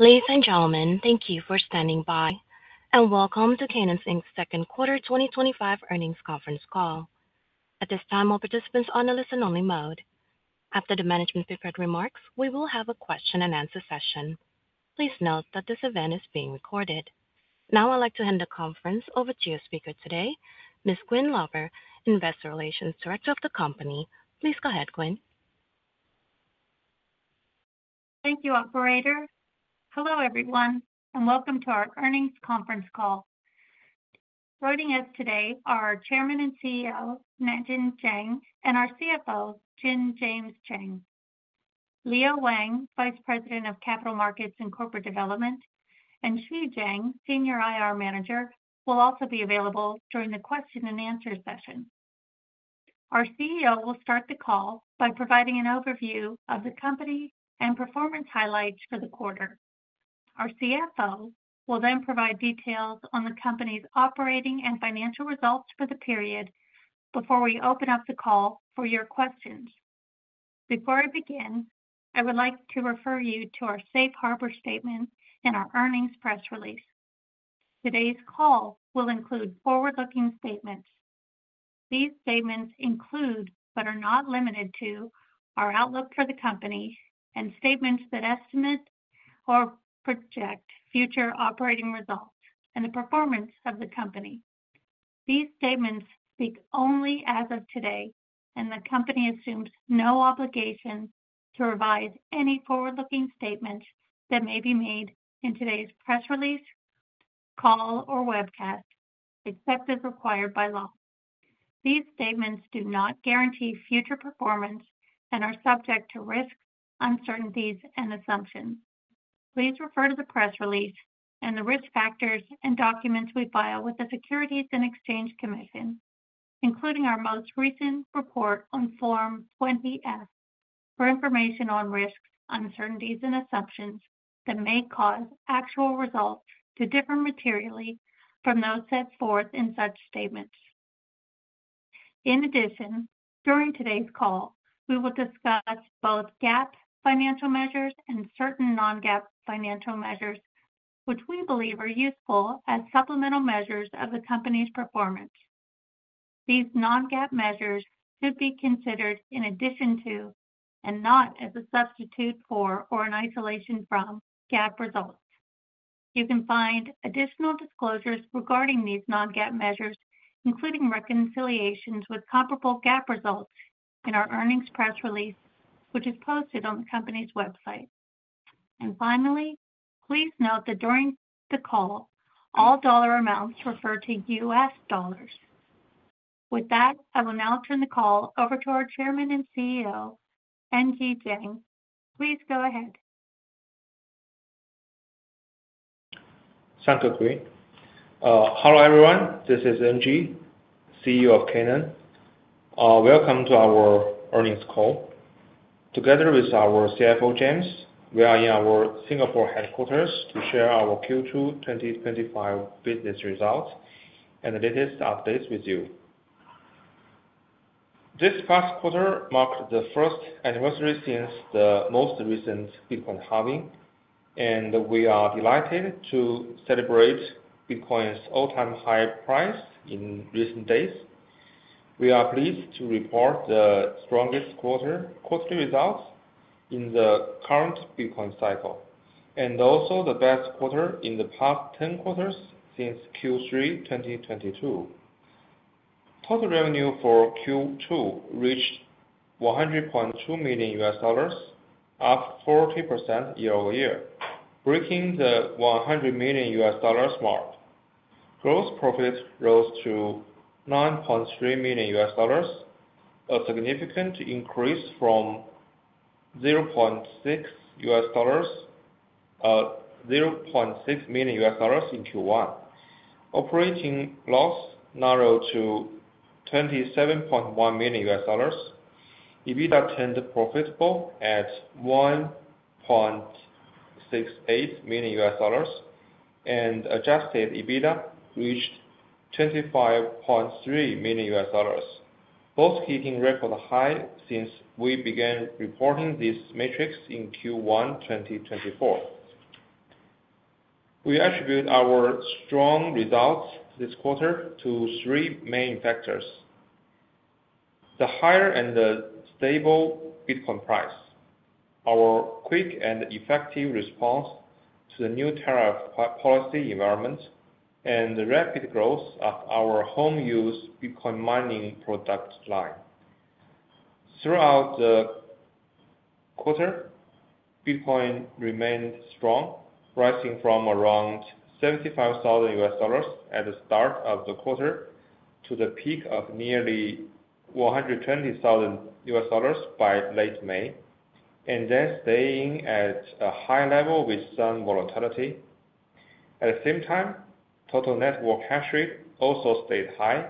Ladies and gentlemen, thank you for standing by and welcome to Canaan Inc.'s Second Quarter 2025 Earnings Conference Call. At this time, all participants are on a listen-only mode. After the management's prepared remarks, we will have a question and answer session. Please note that this event is being recorded. Now I'd like to hand the conference over to your speaker today, Ms. Gwyn Lauber, Investor Relations Director of the company. Please go ahead, Gwyn. Thank you, Operator. Hello everyone, and welcome to our earnings conference call. Joining us today are Chairman and CEO, Nangeng Zhang, and our CFO, James Cheng. Liang Wang, Vice President of Capital Markets and Corporate Development, and Xu Zheng, Senior IR Manager, will also be available during the question and answer session. Our CEO will start the call by providing an overview of the company and performance highlights for the quarter. Our CFO will then provide details on the company's operating and financial results for the period before we open up the call for your questions. Before I begin, I would like to refer you to our Safe Harbor statement and our earnings press release. Today's call will include forward-looking statements. These statements include, but are not limited to, our outlook for the company and statements that estimate or project future operating results and the performance of the company. These statements speak only as of today, and the company assumes no obligation to revise any forward-looking statements that may be made in today's press release, call, or webcast, except as required by law. These statements do not guarantee future performance and are subject to risk, uncertainties, and assumptions. Please refer to the press release and the risk factors and documents we file with the Securities and Exchange Commission, including our most recent report on Form 20-F, for information on risks, uncertainties, and assumptions that may cause actual results to differ materially from those set forth in such statements. In addition, during today's call, we will discuss both GAAP financial measures and certain non-GAAP financial measures, which we believe are useful as supplemental measures of the company's performance. These non-GAAP measures should be considered in addition to and not as a substitute for or in isolation from GAAP results. You can find additional disclosures regarding these non-GAAP measures, including reconciliations with comparable GAAP results, in our earnings press release, which is posted on the company's website. Finally, please note that during the call, all dollar amounts refer to U.S. dollars. With that, I will now turn the call over to our Chairman and CEO, Nangeng Zhang. Please go ahead. Thank you, Gwyn. Hello everyone, this is NG, CEO of Canaan. Welcome to our earnings call. Together with our CFO, James, we are in our Singapore headquarters to share our Q2 2025 business results and the latest updates with you. This past quarter marked the first anniversary since the most recent Bitcoin halving, and we are delighted to celebrate Bitcoin's all-time high price in recent days. We are pleased to report the strongest quarterly results in the current Bitcoin cycle, and also the best quarter in the past 10 quarters since Q3 2022. Quarterly revenue for Q2 reached $100.2 million, up 43% year-over-year, breaking the $100 million mark. Gross profit rose to $9.3 million, a significant increase from $0.6 million in Q1. Operating loss narrowed to $27.1 million, EBITDA turned profitable at $1.68 million, and adjusted EBITDA reached $25.3 million, both hitting record high since we began reporting this metric in Q1 2024. We attribute our strong results this quarter to three main factors: the higher and stable Bitcoin price, our quick and effective response to the new tariff policy environment, and the rapid growth of our home-use Bitcoin mining product line. Throughout the quarter, Bitcoin remained strong, rising from around $75,000 at the start of the quarter to the peak of nearly $120,000 by late May, and then staying at a high level with some volatility. At the same time, total network hash rate also stayed high,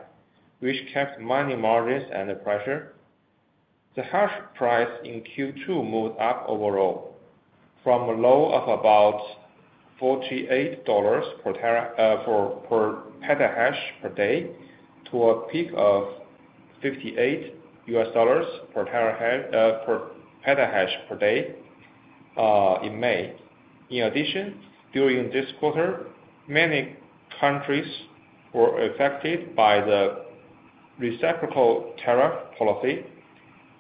which kept mining margins under pressure. The hash price in Q2 moved up overall, from a low of about $48 per petahash per day to a peak of $58 per petahash per day in May. In addition, during this quarter, many countries were affected by the reciprocal tariff policy,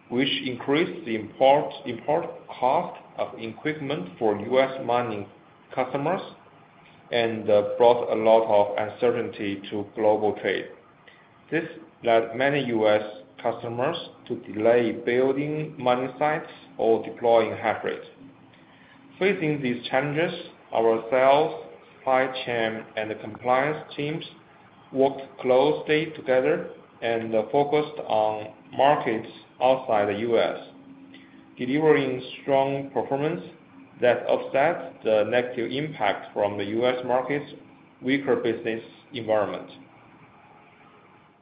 which increased the import cost of equipment for U.S. mining customers and brought a lot of uncertainty to global trade. This led many U.S. customers to delay building mining sites or deploying hash rates. Facing these challenges, our sales, supply chain, and compliance teams worked closely together and focused on markets outside the U.S., delivering strong performance that offset the negative impact from the U.S. market's weaker business environment.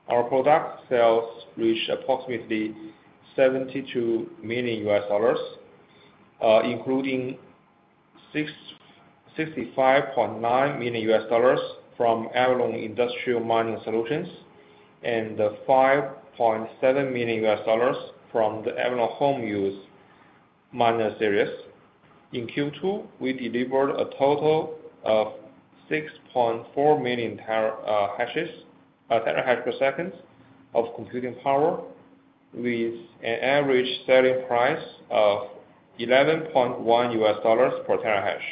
Our product sales reached approximately $72 million, including $65.9 million from Avalon Industrial Mining Solutions and $5.7 million from the Avalon Home-Use Miner Series. In Q2, we delivered a total of 6.4 million hashes per second of computing power, with an average selling price of $11.1 per terahash.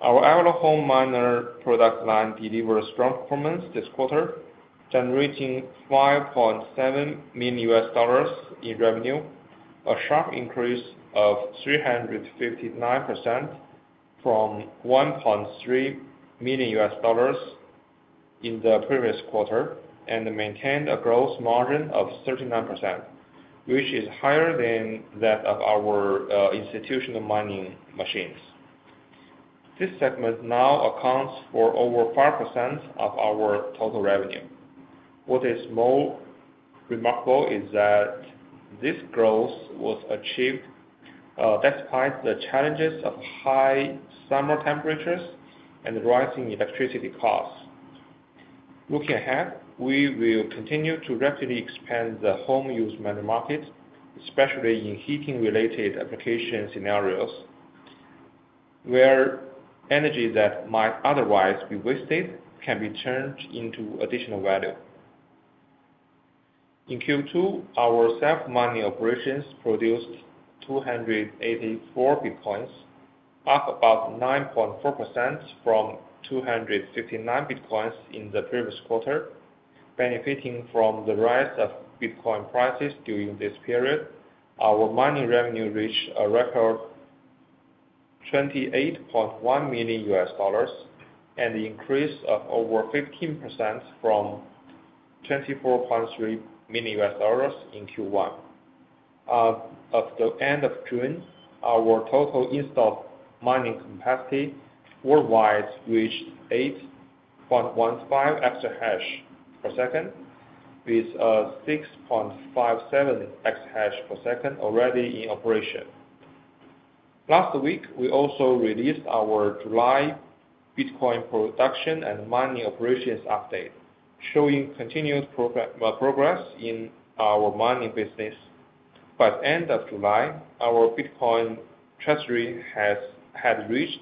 Our Avalon Home-Use Miner Series product line delivered strong performance this quarter, generating $5.7 million in revenue, a sharp increase of 359% from $1.3 million in the previous quarter, and maintained a gross margin of 39%, which is higher than that of our institutional mining machines. This segment now accounts for over 5% of our total revenue. What is more remarkable is that this growth was achieved despite the challenges of high summer temperatures and rising electricity costs. Looking ahead, we will continue to rapidly expand the home-use mining market, especially in heating-related application scenarios, where energy that might otherwise be wasted can be turned into additional value. In Q2, our self-mining operations produced 284 Bitcoins, up about 9.4% from 259 Bitcoins in the previous quarter. Benefiting from the rise of Bitcoin prices during this period, our mining revenue reached a record $28.1 million and an increase of over 15% from $24.3 million in Q1. At the end of June, our total installed mining capacity worldwide reached 8.15 exahash per second, with 6.57 exahash per second already in operation. Last week, we also released our July Bitcoin production and mining operations update, showing continued progress in our mining business. By the end of July, our Bitcoin treasury had reached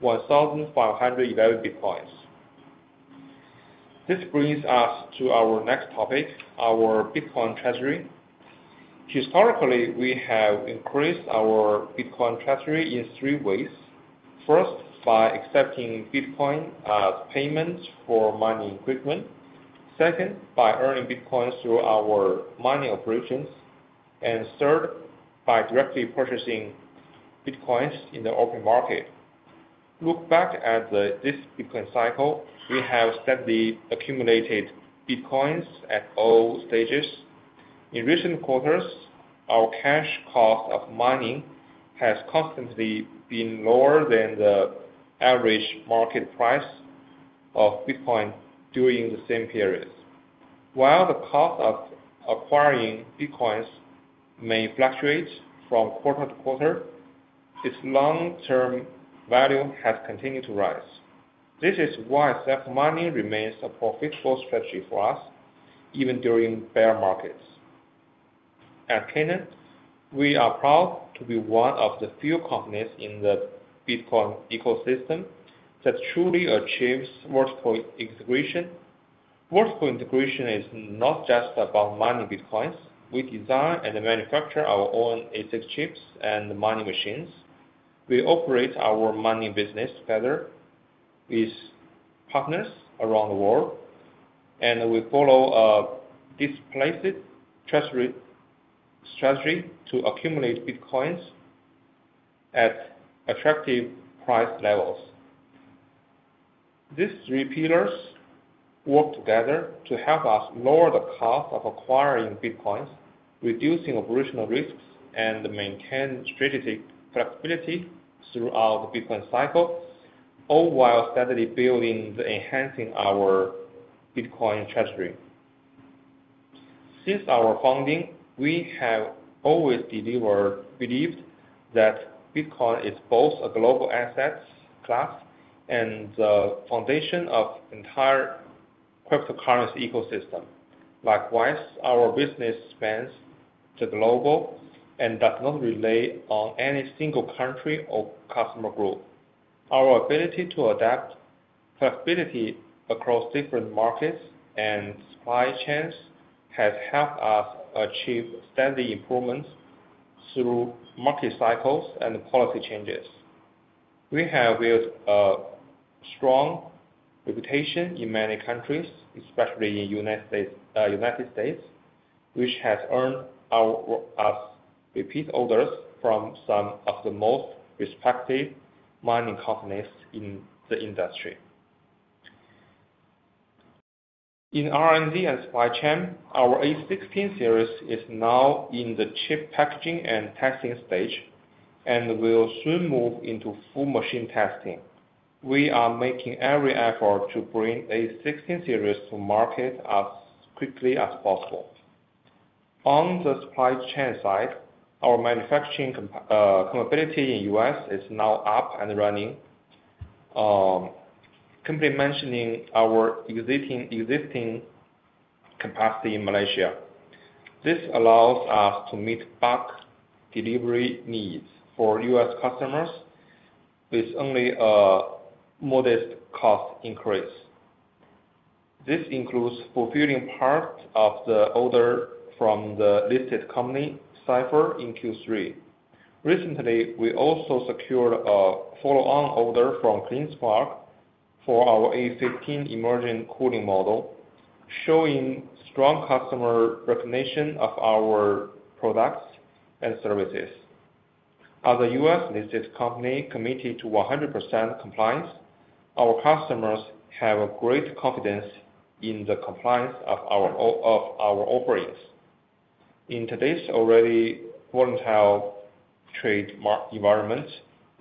1,500 valued Bitcoins. This brings us to our next topic, our Bitcoin treasury. Historically, we have increased our Bitcoin treasury in three ways. First, by accepting Bitcoin as payments for mining equipment. Second, by earning Bitcoins through our mining operations. Third, by directly purchasing Bitcoins in the open market. Looking back at this Bitcoin cycle, we have steadily accumulated Bitcoins at all stages. In recent quarters, our cash cost of mining has constantly been lower than the average market price of Bitcoin during the same period. While the cost of acquiring Bitcoins may fluctuate from quarter to quarter, its long-term value has continued to rise. This is why self-mining remains a profitable strategy for us, even during bear markets. At Canaan Inc., we are proud to be one of the few companies in the Bitcoin ecosystem that truly achieves vertical integration. Vertical integration is not just about mining Bitcoins. We design and manufacture our own ASIC chips and mining machines. We operate our mining business together with partners around the world, and we follow a displaced treasury strategy to accumulate Bitcoins at attractive price levels. These three pillars work together to help us lower the cost of acquiring Bitcoins, reduce operational risks, and maintain strategic flexibility throughout the Bitcoin cycle, all while steadily building and enhancing our Bitcoin treasury. Since our founding, we have always believed that Bitcoin is both a global asset class and the foundation of the entire cryptocurrency ecosystem. Likewise, our business spans the globe and does not rely on any single country or customer group. Our ability to adapt flexibility across different markets and supply chains has helped us achieve steady improvements through market cycles and policy changes. We have built a strong reputation in many countries, especially in the U.S., which has earned us repeat orders from some of the most respected mining companies in the industry. In R&D and supply chain, our A16 ASIC series is now in the chip packaging and testing stage and will soon move into full machine testing. We are making every effort to bring A16 ASIC series to market as quickly as possible. On the supply chain side, our manufacturing capability in the U.S. is now up and running, simply mentioning our existing capacity in Malaysia. This allows us to meet bulk delivery needs for U.S. customers with only a modest cost increase. This includes fulfilling part of the order from the listed company, Cypher, in Q3. Recently, we also secured a follow-on order from CleanSpark for our A15 emergent cooling model, showing strong customer recognition of our products and services. As a U.S. listed company committed to 100% compliance, our customers have great confidence in the compliance of our offerings. In today's already volatile trade environment,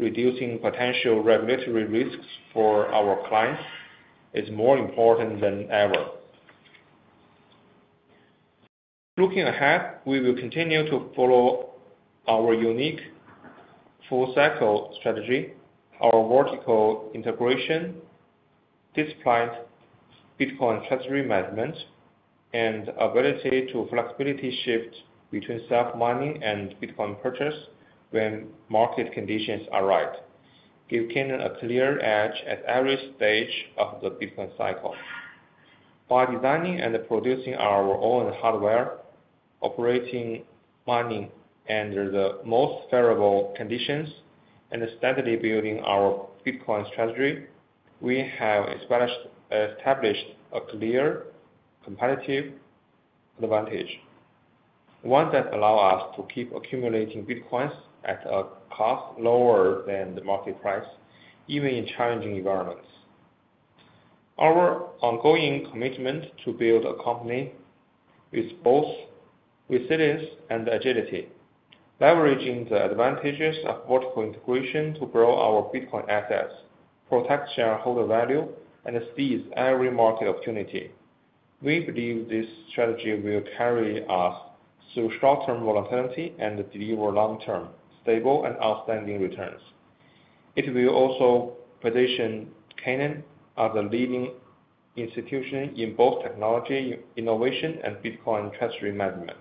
reducing potential regulatory risks for our clients is more important than ever. Looking ahead, we will continue to follow our unique full-cycle strategy, our vertical integration, disciplined Bitcoin treasury management, and ability to flexibly shift between self-mining and Bitcoin purchase when market conditions are right, giving Canaan Inc. a clear edge at every stage of the Bitcoin cycle. By designing and producing our own hardware, operating mining under the most favorable conditions, and steadily building our Bitcoin strategy, we have established a clear competitive advantage, one that allows us to keep accumulating Bitcoins at a cost lower than the market price, even in challenging environments. Our ongoing commitment to build a company is both resilience and agility, leveraging the advantages of vertical integration to grow our Bitcoin assets, protect shareholder value, and seize every market opportunity. We believe this strategy will carry us through short-term volatility and deliver long-term stable and outstanding returns. It will also position Canaan as the leading institution in both technology, innovation, and Bitcoin treasury management.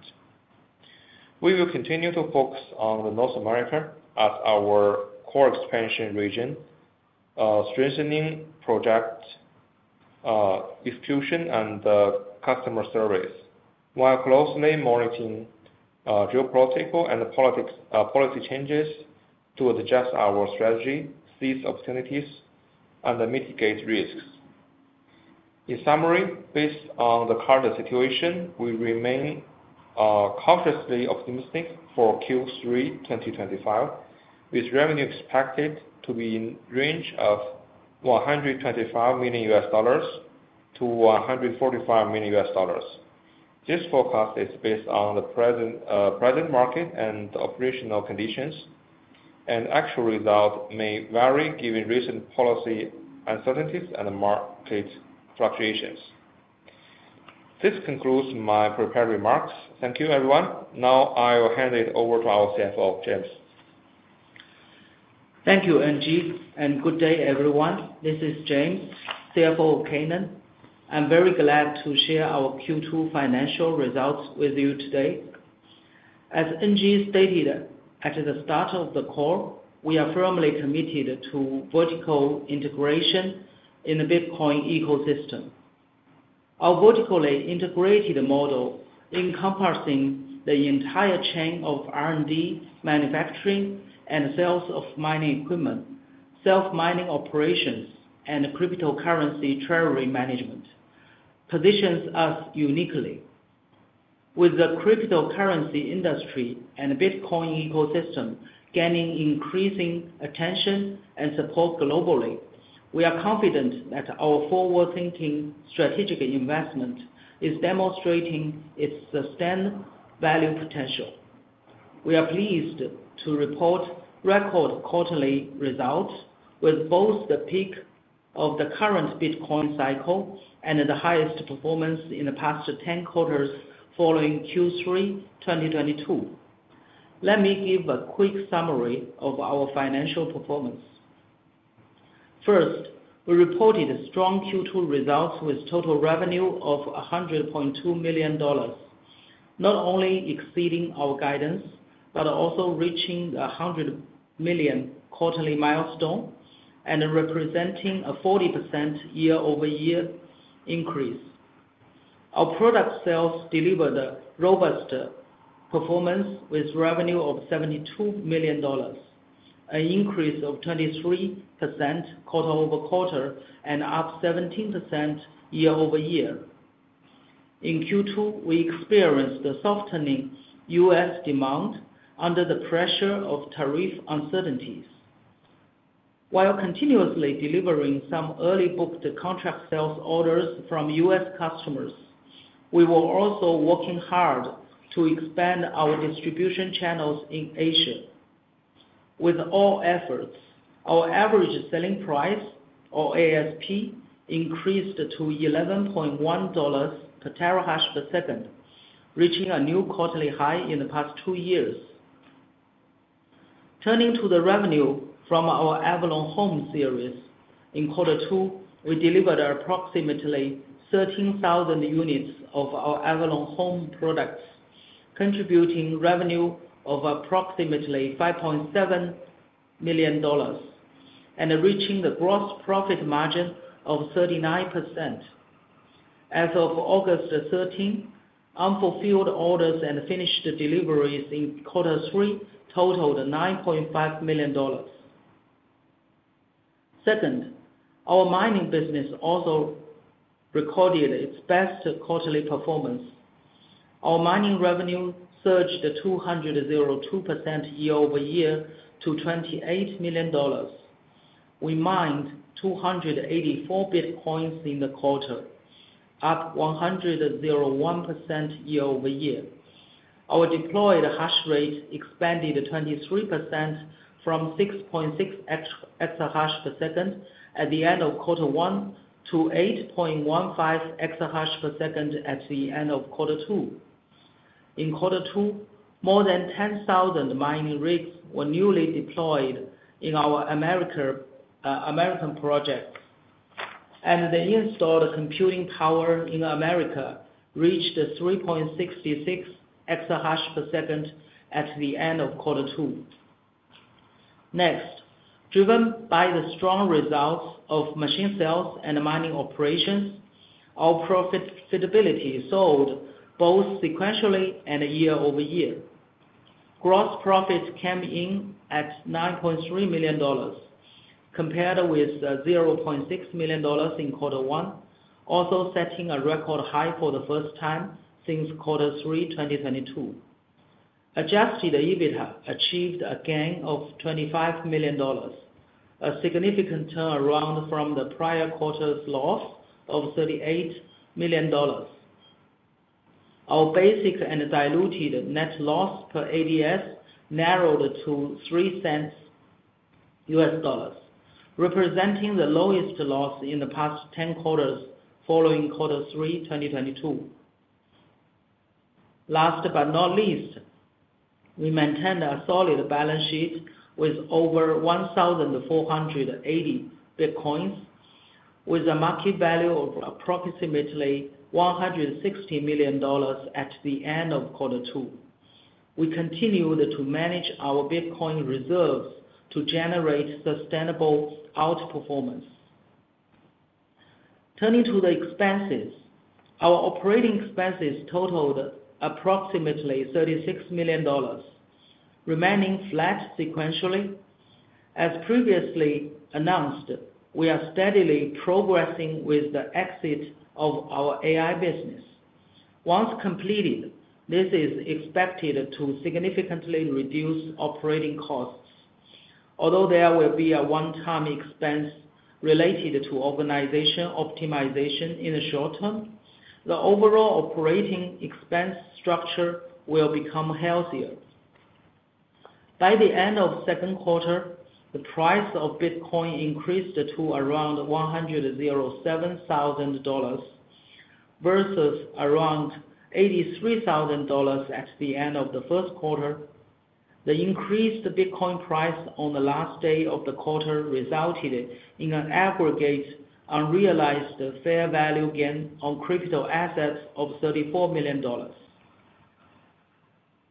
We will continue to focus on North America as our core expansion region, strengthening project execution and customer service, while closely monitoring geopolitical and policy changes to adjust our strategy, seize opportunities, and mitigate risks. In summary, based on the current situation, we remain cautiously optimistic for Q3 2025, with revenue expected to be in the range of $125 million-$145 million. This forecast is based on the present market and operational conditions, and actual results may vary given recent policy uncertainties and market fluctuations. This concludes my prepared remarks. Thank you, everyone. Now I will hand it over to our CFO, James. Thank you, NG, and good day, everyone. This is James, CFO of Canaan. I'm very glad to share our Q2 financial results with you today. As NG stated at the start of the call, we are firmly committed to vertical integration in the Bitcoin ecosystem. Our vertically integrated model encompasses the entire chain of R&D, manufacturing, and sales of mining equipment, self-mining operations, and cryptocurrency treasury management, positions us uniquely. With the cryptocurrency industry and Bitcoin ecosystem gaining increasing attention and support globally, we are confident that our forward-thinking strategic investment is demonstrating its sustained value potential. We are pleased to report record quarterly results, with both the peak of the current Bitcoin cycle and the highest performance in the past 10 quarters following Q3 2022. Let me give a quick summary of our financial performance. First, we reported strong Q2 results with a total revenue of $100.2 million, not only exceeding our guidance but also reaching the $100 million quarterly milestone and representing a 40% year-over-year increase. Our product sales delivered robust performance with a revenue of $72 million, an increase of 23% quarter-over-quarter and up 17% year-over-year. In Q2, we experienced a softening U.S. demand under the pressure of tariff uncertainties. While continuously delivering some early-booked contract sales orders from U.S. customers, we were also working hard to expand our distribution channels in Asia. With all efforts, our average selling price, or ASP, increased to $11.1 per terahash per second, reaching a new quarterly high in the past two years. Turning to the revenue from our Avalon Home-Use Miner Series, in quarter two, we delivered approximately 13,000 units of our Avalon Home-Use Miner Series products, contributing revenue of approximately $5.7 million and reaching a gross profit margin of 39%. As of August 13, unfulfilled orders and finished deliveries in quarter three totaled $9.5 million. Second, our mining business also recorded its best quarterly performance. Our mining revenue surged 202% year-over-year to $28 million. We mined 284 Bitcoins in the quarter, up 101% year-over-year. Our deployed hash rate expanded 23% from 6.6 exahash per second at the end of quarter one to 8.15 exahash per second at the end of quarter two. In quarter two, more than 10,000 mining rigs were newly deployed in our American projects, and the installed computing power in America reached 3.66 exahash per second at the end of quarter two. Next, driven by the strong results of machine sales and mining operations, our profitability soared both sequentially and year-over-year. Gross profit came in at $9.3 million, compared with $0.6 million in quarter one, also setting a record high for the first time since quarter three 2022. Adjusted EBITDA achieved a gain of $25 million, a significant turnaround from the prior quarter's loss of $38 million. Our basic and diluted net loss per ADS narrowed to $0.03, representing the lowest loss in the past 10 quarters following quarter three 2022. Last but not least, we maintained a solid balance sheet with over 1,480 Bitcoins, with a market value of approximately $160 million at the end of quarter two. We continued to manage our Bitcoin reserves to generate sustainable outperformance. Turning to the expenses, our operating expenses totaled approximately $36 million, remaining flat sequentially. As previously announced, we are steadily progressing with the exit of our AI business. Once completed, this is expected to significantly reduce operating costs. Although there will be a one-time expense related to organization optimization in the short term, the overall operating expense structure will become healthier. By the end of the second quarter, the price of Bitcoin increased to around $107,000 versus around $83,000 at the end of the first quarter. The increased Bitcoin price on the last day of the quarter resulted in an aggregate, unrealized fair value gain on crypto assets of $34 million.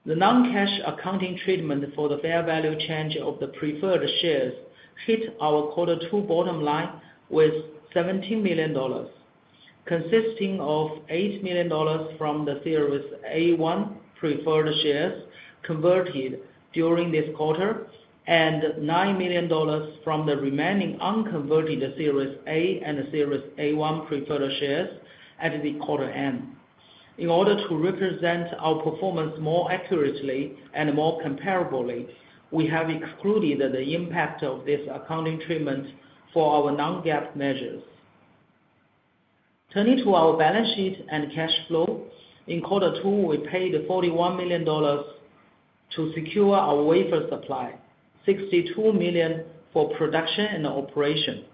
The non-cash accounting treatment for the fair value change of the preferred shares hit our quarter two bottom line with $17 million, consisting of $8 million from the Series A1 preferred shares converted during this quarter and $9 million from the remaining unconverted Series A and Series A1 preferred shares at the quarter end. In order to represent our performance more accurately and more comparably, we have excluded the impact of this accounting treatment for our non-GAAP measures. Turning to our balance sheet and cash flow, in quarter two, we paid $41 million to secure our wafer supply, $62 million for production and operation,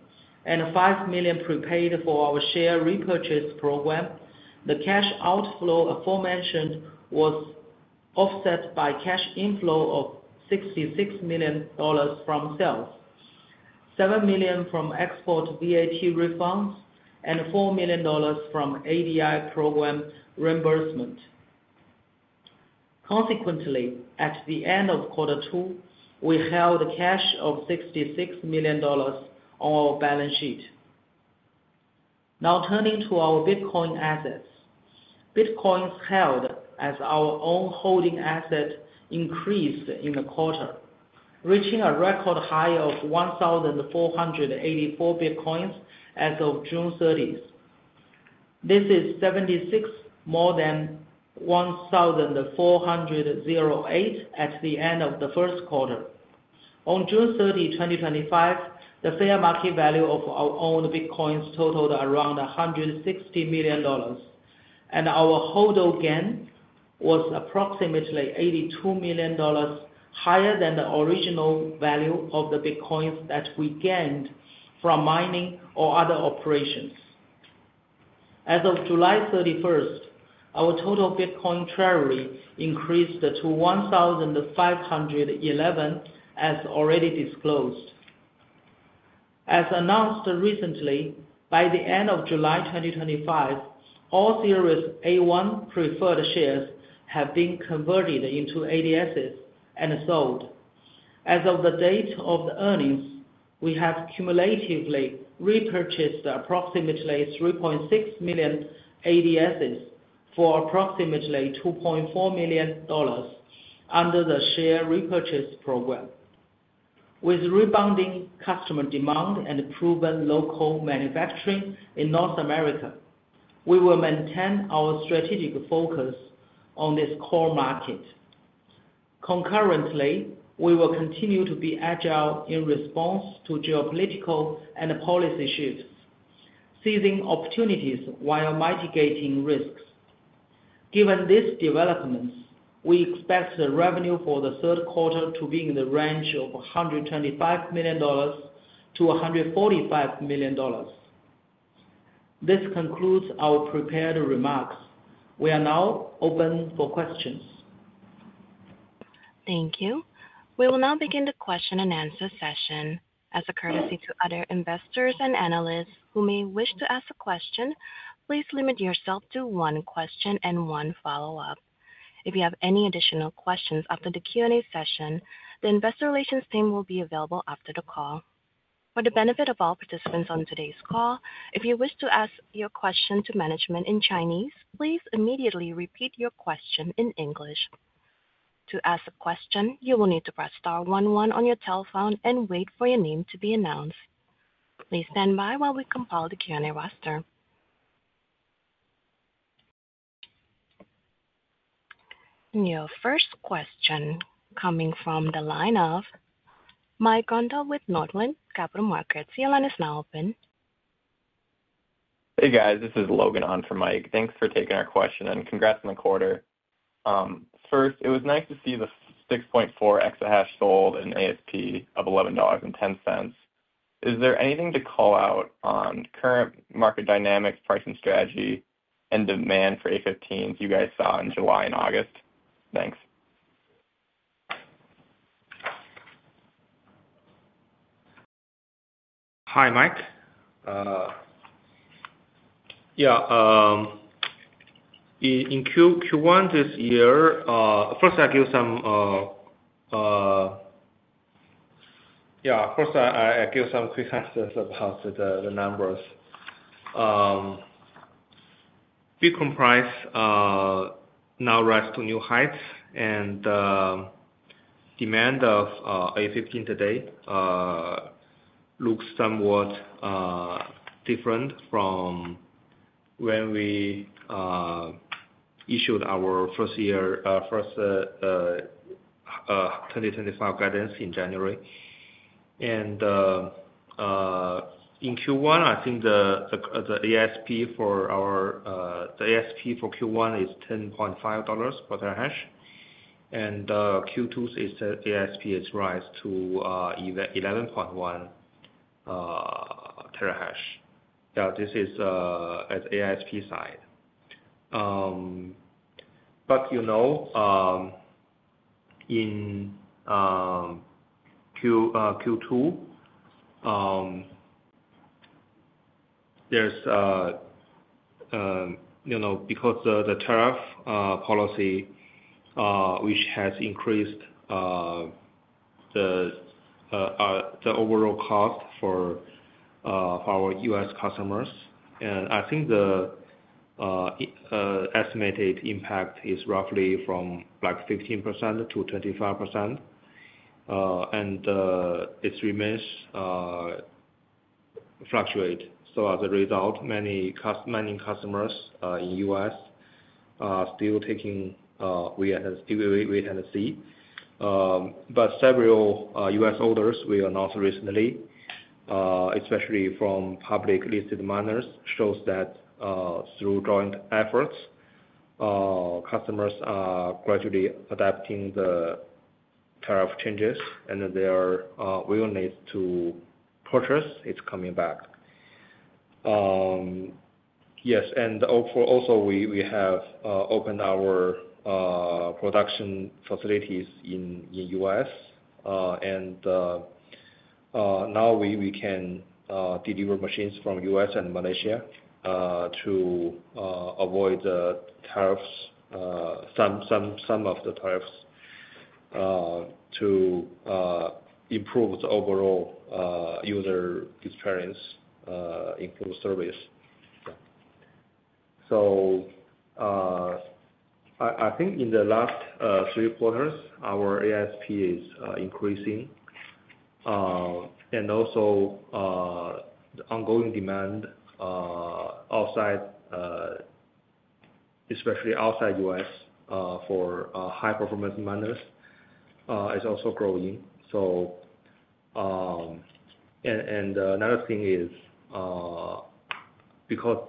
and $5 million prepaid for our share repurchase program. The cash outflow aforementioned was offset by cash inflow of $66 million from sales, $7 million from export VAT refunds, and $4 million from ADI program reimbursement. Consequently, at the end of quarter two, we held a cash of $66 million on our balance sheet. Now turning to our Bitcoin assets, Bitcoins held as our own holding asset increased in the quarter, reaching a record high of 1,484 Bitcoins as of June 30. This is 76 more than 1,408 at the end of the first quarter. On June 30, 2025, the fair market value of our own Bitcoins totaled around $160 million, and our hold-on gain was approximately $82 million, higher than the original value of the Bitcoins that we gained from mining or other operations. As of July 31, our total Bitcoin treasury increased to 1,511, as already disclosed. As announced recently, by the end of July 2025, all series A1 preferred shares have been converted into ADSs and sold. As of the date of the earnings, we have cumulatively repurchased approximately 3.6 million ADSs for approximately $2.4 million under the share repurchase program. With rebounding customer demand and proven local manufacturing in North America, we will maintain our strategic focus on this core market. Concurrently, we will continue to be agile in response to geopolitical and policy shifts, seizing opportunities while mitigating risks. Given these developments, we expect the revenue for the third quarter to be in the range of $125 million-$145 million. This concludes our prepared remarks. We are now open for questions. Thank you. We will now begin the question and answer session. As a courtesy to other investors and analysts who may wish to ask a question, please limit yourself to one question and one follow-up. If you have any additional questions after the Q&A session, the Investor Relations team will be available after the call. For the benefit of all participants on today's call, if you wish to ask your question to management in Chinese, please immediately repeat your question in English. To ask a question, you will need to press star, one, one on your telephone and wait for your name to be announced. Please stand by while we compile the Q&A roster. Your first question coming from the line of Mike Grondahl with Northland Capital Markets. The line is now open. Hey, guys. This is Logan on for Mike. Thanks for taking our question and congrats on the quarter. First, it was nice to see the 6.4 exahash sold and ASP up $11.10. Is there anything to call out on current market dynamics, pricing strategy, and demand for A15s you guys saw in July and August? Thanks. Hi, Mike. Yeah, in Q1 this year, first I give some, yeah, first I give some three factors about the numbers. Bitcoin price now rises to new heights, and the demand of A15 today looks somewhat different from when we issued our first-year 2025 guidance in January. In Q1, I think the ASP for Q1 is $10.5 per terahash, and Q2's ASP has risen to $11.1 per terahash. Yeah, this is at the ASP side. In Q2, there's, you know, because of the tariff policy, which has increased the overall cost for our U.S. customers, and I think the estimated impact is roughly from like 15% to 25%, and it remains fluctuant. As a result, many customers in the U.S. are still taking wait and see. Several U.S. orders we announced recently, especially from public listed miners, shows that through joint efforts, customers are gradually adapting the tariff changes, and their willingness to purchase is coming back. Yes, and also we have opened our production facilities in the U.S., and now we can deliver machines from the U.S. and Malaysia to avoid the tariffs, some of the tariffs, to improve the overall user experience, improve service. I think in the last three quarters, our ASP is increasing, and also the ongoing demand outside, especially outside the U.S., for high-performance miners is also growing. Another thing is because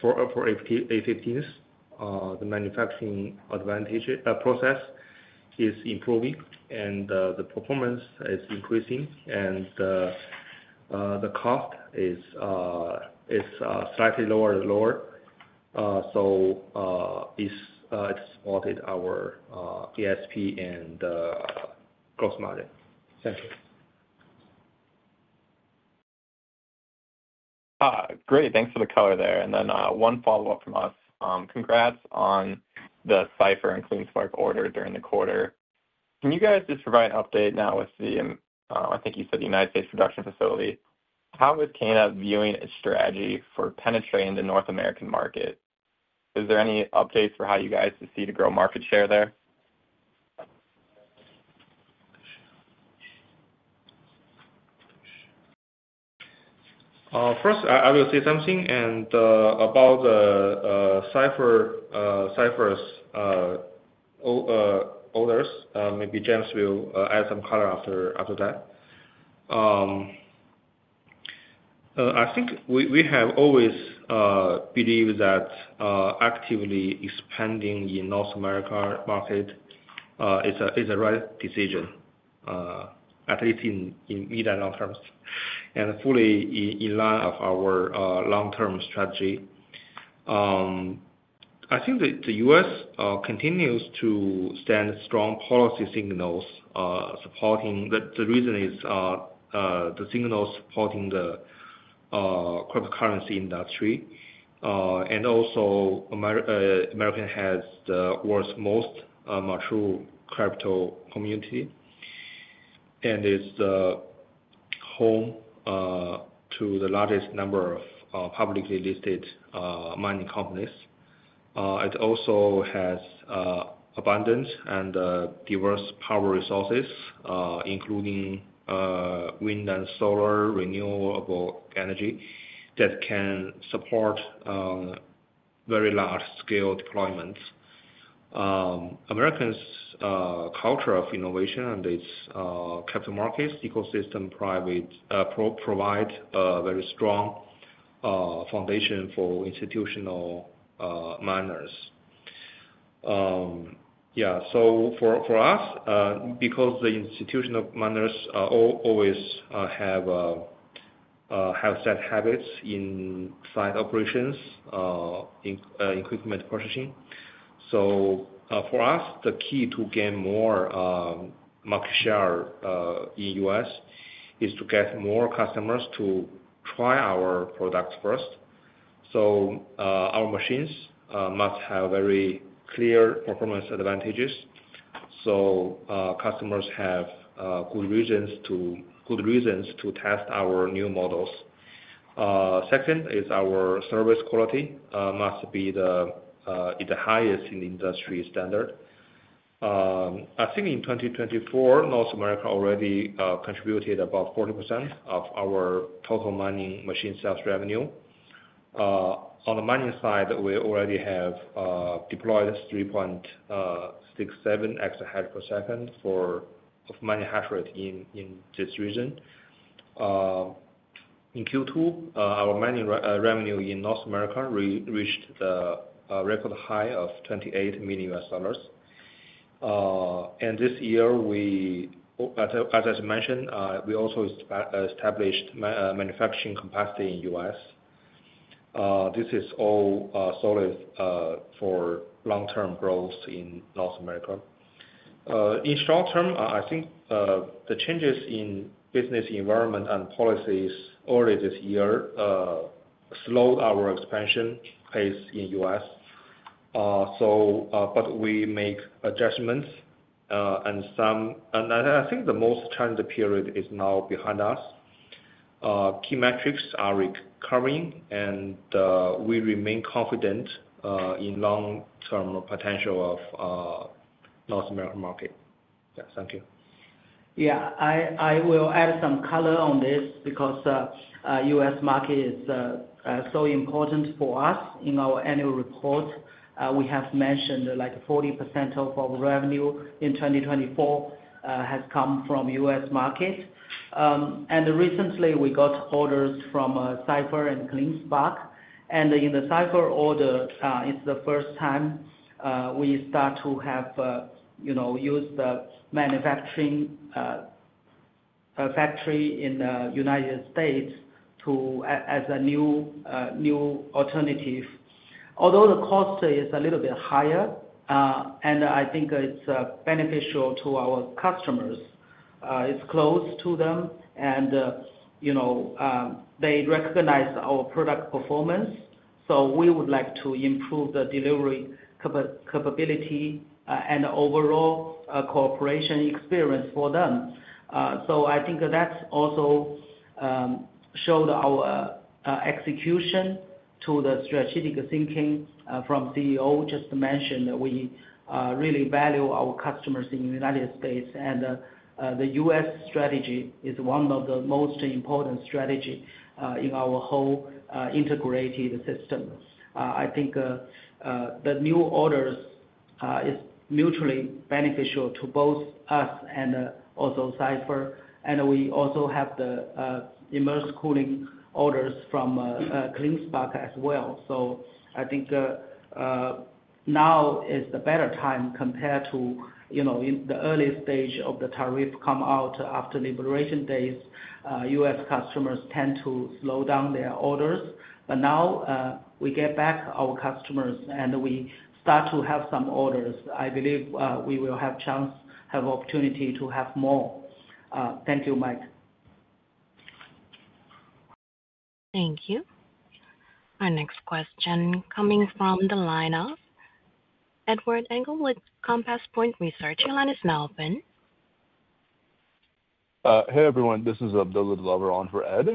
for A15s, the manufacturing advantage process is improving, and the performance is increasing, and the cost is slightly lower and lower. It's supported our ASP and gross margin. Thank you. Great. Thanks for the cover there. One follow-up from us. Congrats on the Cypher and CleanSpark order during the quarter. Can you guys just provide an update now with the, I think you said the U.S. production facility? How is Canaan viewing its strategy for penetrating the North American market? Is there any updates for how you guys see to grow market share there? First, I will say something about the Cypher's orders. Maybe James will add some color after that. I think we have always believed that actively expanding the North America market is the right decision, at least in the long term, and fully in line with our long-term strategy. I think the U.S. continues to send strong policy signals. The reason is the signals supporting the cryptocurrency industry, and also America has the world's most mature crypto community, and it's the home to the largest number of publicly listed mining companies. It also has abundant and diverse power resources, including wind and solar, renewable energy that can support very large-scale deployments. America's culture of innovation and its capital markets ecosystem provide a very strong foundation for institutional miners. Yeah, so for us, because the institutional miners always have set habits in site operations, equipment purchasing. For us, the key to gain more market share in the U.S. is to get more customers to try our products first. Our machines must have very clear performance advantages, so customers have good reasons to test our new models. Second is our service quality must be the highest in the industry standard. I think in 2024, North America already contributed about 40% of our total mining machine sales revenue. On the mining side, we already have deployed 3.67 exahash per second for mining hash rate in this region. In Q2, our mining revenue in North America reached the record high of $28 million. This year, we, as I mentioned, we also established manufacturing capacity in the U.S. This is all solid for long-term growth in North America. In the short term, I think the changes in business environment and policies early this year slowed our expansion pace in the U.S. We make adjustments, and I think the most challenging period is now behind us. Key metrics are recurring, and we remain confident in the long-term potential of the North American market. Yeah, thank you. Yeah, I will add some color on this because the U.S. market is so important for us. In our annual report, we have mentioned like 40% of our revenue in 2024 has come from the U.S. market. Recently, we got orders from Cypher and CleanSpark. In the Cypher order, it's the first time we start to have, you know, use the manufacturing factory in the United States as a new alternative. Although the cost is a little bit higher, I think it's beneficial to our customers, it's close to them, and, you know, they recognize our product performance. We would like to improve the delivery capability and overall cooperation experience for them. I think that also shows our execution to the strategic thinking from the CEO just mentioned that we really value our customers in the United States, and the U.S. strategy is one of the most important strategies in our whole integrated system. I think the new orders are mutually beneficial to both us and also Cypher. We also have the immersed cooling orders from CleanSpark as well. I think now is the better time compared to, you know, the early stage of the tariffs come out after liberation days. U.S. customers tend to slow down their orders. Now we get back our customers, and we start to have some orders. I believe we will have a chance, have the opportunity to have more. Thank you, Mike. Thank you. Our next question coming from the line of Edward Engel with Compass Point Research. The line is now open. Hey, everyone. This is Abdullah Dilawar on for Ed.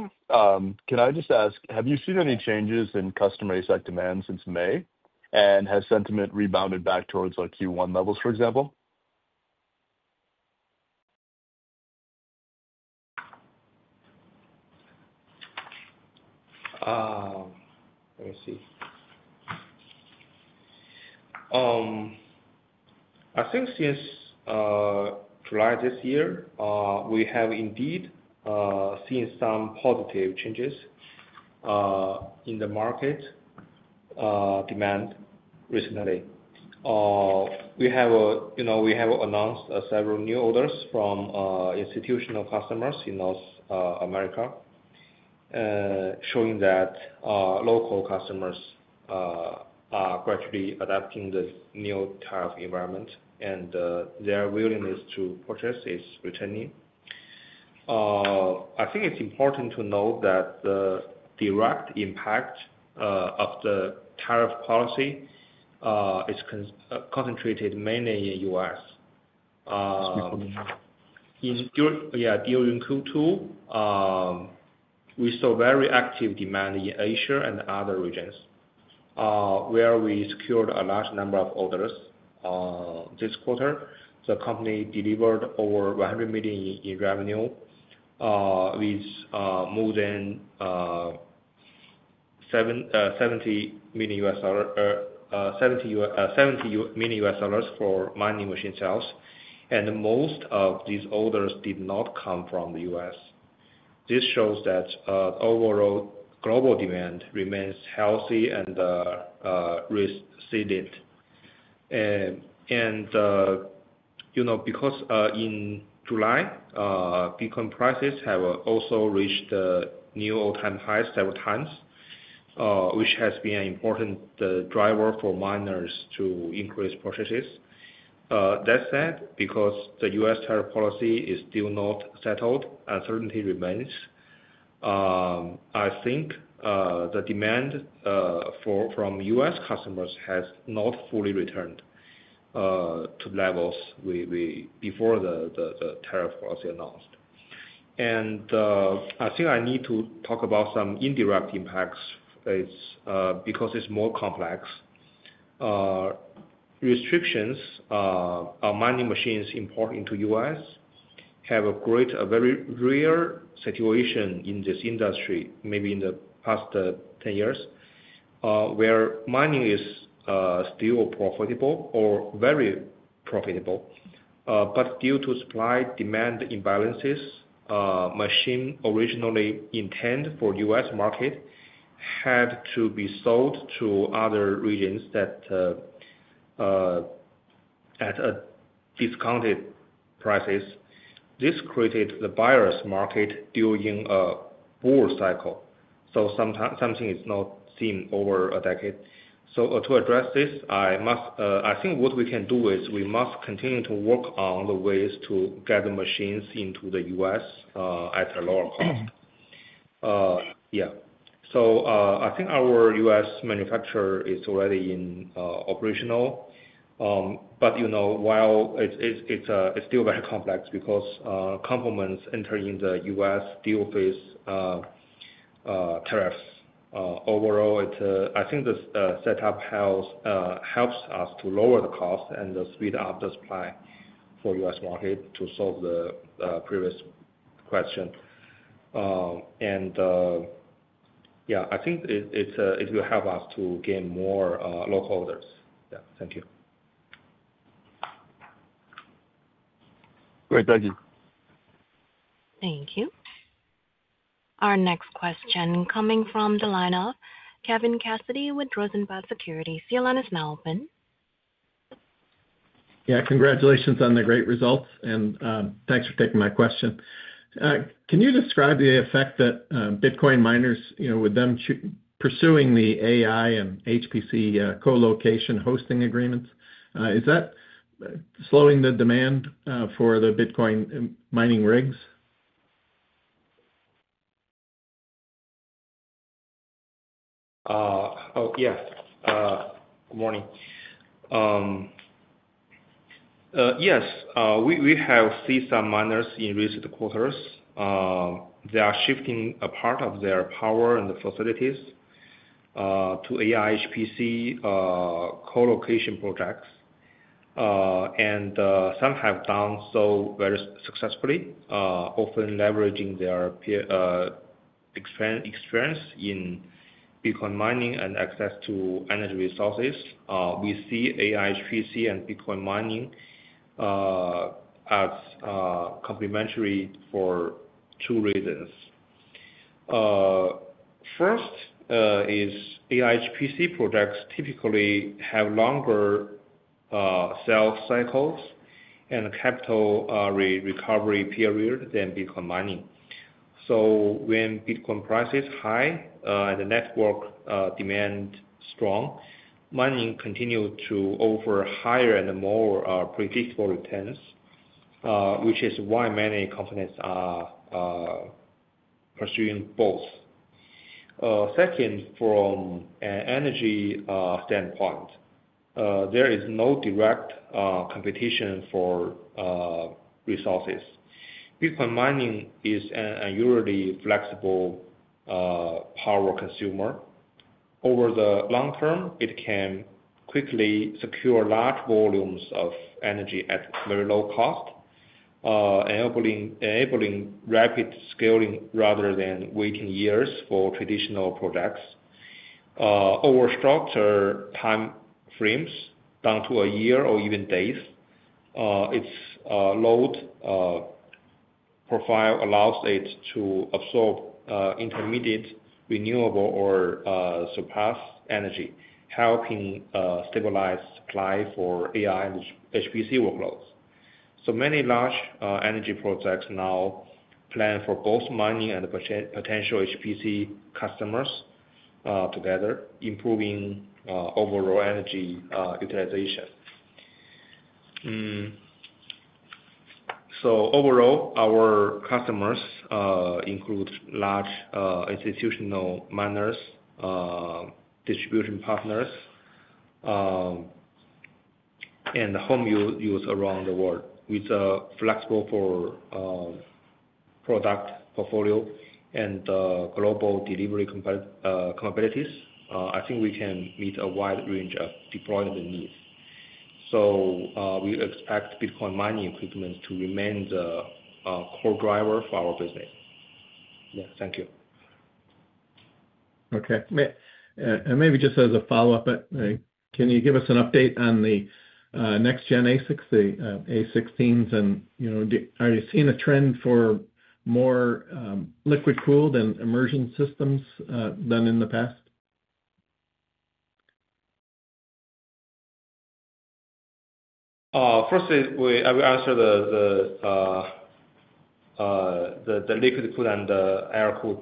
Can I just ask, have you seen any changes in customer ASIC demand since May, and has sentiment rebounded back towards our Q1 levels, for example? Let me see. I think since July this year, we have indeed seen some positive changes in the market demand recently. We have, you know, we have announced several new orders from institutional customers in North America, showing that local customers are gradually adapting the new tariff environment, and their willingness to purchase is returning. I think it's important to note that the direct impact of the tariff policy is concentrated mainly in the U.S. During Q2, we saw very active demand in Asia and other regions, where we secured a large number of orders this quarter. The company delivered over $100 million in revenue with more than $70 million for mining machine sales, and most of these orders did not come from the U.S. This shows that the overall global demand remains healthy and resilient. You know, because in July, Bitcoin prices have also reached the new all-time high several times, which has been an important driver for miners to increase purchases. That said, because the U.S. tariff policy is still not settled, uncertainty remains. I think the demand from U.S. customers has not fully returned to levels before the tariff policy was announced. I think I need to talk about some indirect impacts because it's more complex. Restrictions on mining machines imported into the U.S. have created a very rare situation in this industry, maybe in the past 10 years, where mining is still profitable or very profitable. Due to supply-demand imbalances, machines originally intended for the U.S. market had to be sold to other regions at discounted prices. This created the buyer's market during a bull cycle, something not seen over a decade. To address this, I think what we can do is we must continue to work on the ways to get the machines into the U.S. at a lower cost. I think our U.S. manufacturer is already operational. While it's still very complex because components entering the U.S. still face tariffs, overall, I think the setup helps us to lower the cost and speed up the supply for the U.S. market to solve the previous question. I think it will help us to gain more local orders. Thank you. Great. Thank you. Thank you. Our next question coming from the line of Kevin Cassidy with Rosenblatt Securities. The line is now open. Yeah, congratulations on the great results, and thanks for taking my question. Can you describe the effect that Bitcoin miners, you know, with them pursuing the AI and HPC colocation hosting agreements, is that slowing the demand for the Bitcoin mining rigs? Oh, yeah. Morning. Yes, we have seen some miners in recent quarters. They are shifting a part of their power and the facilities to AI HPC colocation projects. Some have done so very successfully, often leveraging their experience in Bitcoin mining and access to energy resources. We see AI HPC and Bitcoin mining as complementary for two reasons. First is AI HPC projects typically have longer sales cycles and a capital recovery period than Bitcoin mining. When Bitcoin price is high and the network demand is strong, mining continues to offer higher and more predictable returns, which is why many companies are pursuing both. Second, from an energy standpoint, there is no direct competition for resources. Bitcoin mining is a usually flexible power consumer. Over the long term, it can quickly secure large volumes of energy at very low cost, enabling rapid scaling rather than waiting years for traditional projects. Over structured time frames, down to a year or even days, its load profile allows it to absorb intermediate renewable or surplus energy, helping stabilize supply for AI HPC workloads. Many large energy projects now plan for both mining and potential HPC customers together, improving overall energy utilization. Overall, our customers include large institutional miners, distribution partners, and home use around the world. With a flexible product portfolio and global delivery capabilities, I think we can meet a wide range of deployment needs. We expect Bitcoin mining equipment to remain the core driver for our business. Yeah, thank you. Okay. Maybe just as a follow-up, can you give us an update on the next-gen ASICs, the A16s? You know, are you seeing a trend for more liquid-cooled and immersion systems than in the past? First, I will answer the liquid-cooled and the air-cooled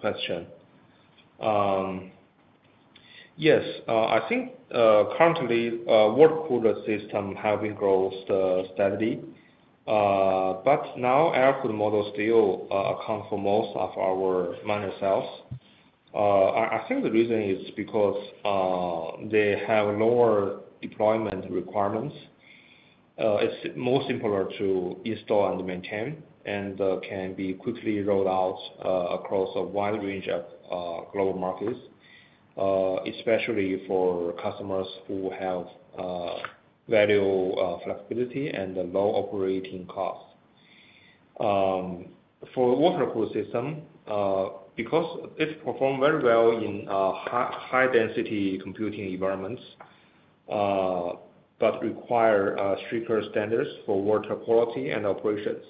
question. Yes, I think currently water-cooled systems have been growing steadily, but now air-cooled models still account for most of our miner sales. I think the reason is because they have lower deployment requirements. It's more simple to install and maintain and can be quickly rolled out across a wide range of global markets, especially for customers who value flexibility and low operating costs. For a water-cooled system, because it performs very well in high-density computing environments but requires stricter standards for water quality and operations,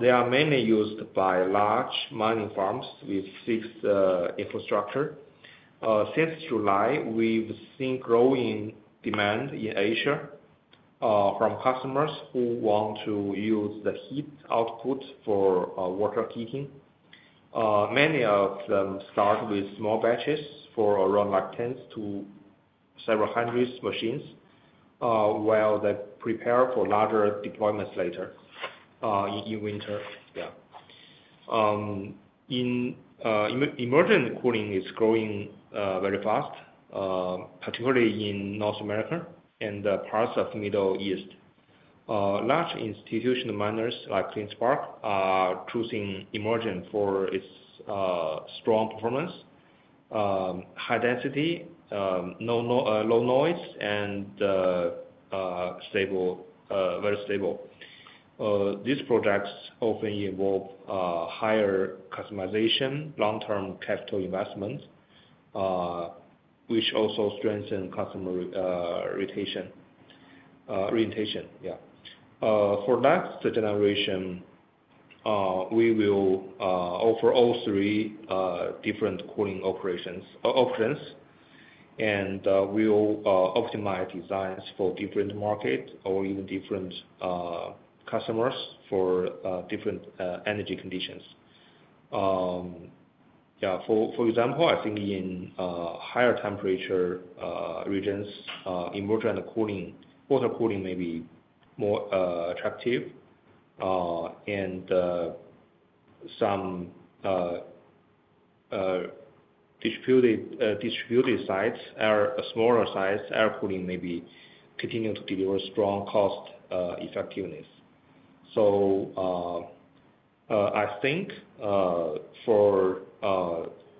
they are mainly used by large mining farms with fixed infrastructure. Since July, we've seen growing demand in Asia from customers who want to use the heat output for water heating. Many of them start with small batches for around tens to several hundred machines, while they prepare for larger deployments later in winter. Emergent cooling is growing very fast, particularly in North America and parts of the Middle East. Large institutional miners like CleanSpark are choosing emergent for its strong performance, high density, low noise, and very stable. These projects often involve higher customization, long-term capital investment, which also strengthens customer retention. For the next generation, we will offer all three different cooling options, and we will optimize designs for different markets or even different customers for different energy conditions. For example, I think in higher temperature regions, emergent cooling, water cooling may be more attractive, and some distributed sites are a smaller size. Air cooling may be continuing to deliver strong cost effectiveness. I think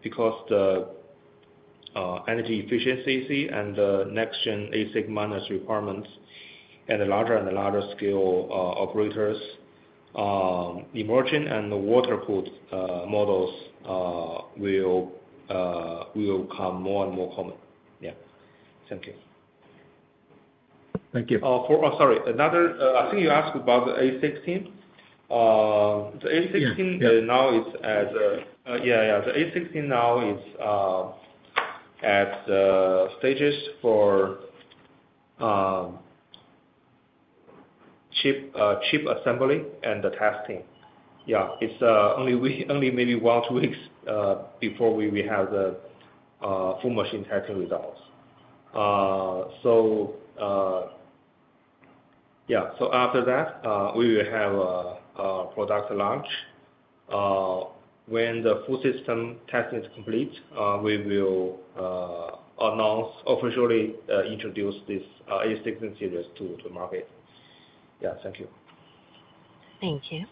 because the energy efficiency and the next-gen ASIC miners' requirements and the larger and the larger scale operators, emergent and water-cooled models will become more and more common. Thank you. Thank you. Oh, sorry. I think you asked about the A16. The A16 now is at the stages for chip assembly and testing. It's only maybe one or two weeks before we will have the full machine testing results. After that, we will have a product launch. When the full system testing is complete, we will officially introduce this A16 series to the market. Thank you. Thank you.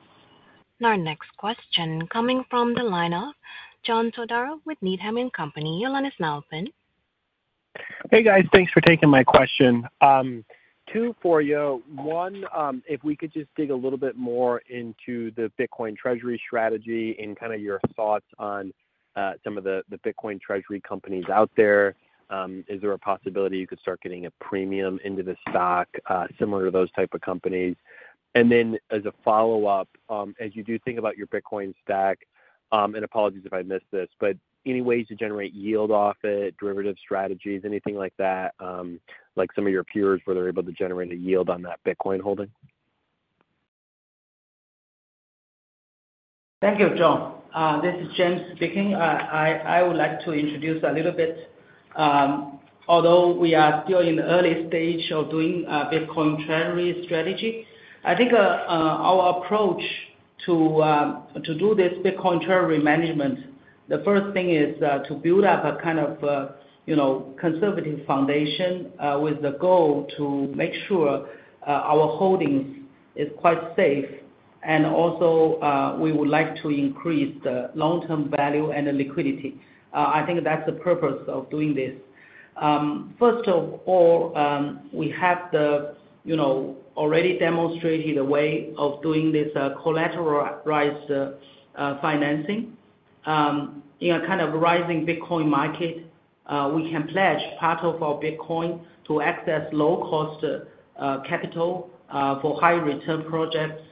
Our next question coming from the line of John Todaro with Needham & Company. The line is now open. Hey, guys. Thanks for taking my question. Two for you. One, if we could just dig a little bit more into the Bitcoin treasury strategy and kind of your thoughts on some of the Bitcoin treasury companies out there. Is there a possibility you could start getting a premium into the stack similar to those types of companies? As a follow-up, as you do think about your Bitcoin stack, and apologies if I missed this, any ways to generate yield off it, derivative strategies, anything like that, like some of your peers where they're able to generate a yield on that Bitcoin holding? Thank you, John. This is James speaking. I would like to introduce a little bit. Although we are still in the early stage of doing a Bitcoin treasury strategy, I think our approach to do this Bitcoin treasury management, the first thing is to build up a kind of, you know, conservative foundation with the goal to make sure our holding is quite safe. Also, we would like to increase the long-term value and the liquidity. I think that's the purpose of doing this. First of all, we have the, you know, already demonstrated a way of doing this collateralized financing. In a kind of rising Bitcoin market, we can pledge part of our Bitcoin to access low-cost capital for high-return projects,